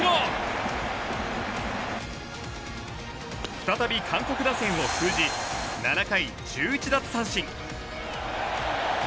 再び韓国打線を封じ７回１１奪三振。